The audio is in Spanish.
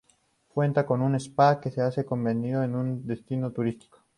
Cuenta con un spa que se ha convertido en un destino turístico.